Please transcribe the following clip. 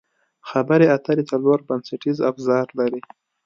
خبرې اترې څلور بنسټیز ابزار لري.